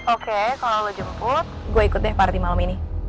oke kalau lo jemput gue ikut deh parti malam ini